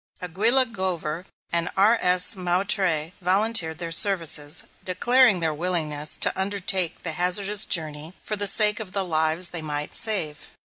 Aguilla Glover and R.S. Moutrey volunteered their services, declaring their willingness to undertake the hazardous journey for the sake of the lives they might save.